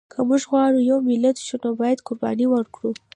چې که مونږ غواړو چې یو ملت شو، نو باید قرباني ورکړو